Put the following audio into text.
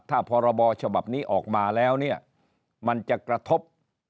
ถ้าพรบฉบับนี้ออกมาแล้วเนี่ยมันจะกระทบ